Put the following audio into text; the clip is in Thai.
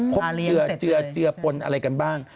ปลาเลี้ยงเสร็จเลยคมเจือเจือปลอะไรกันบ้าง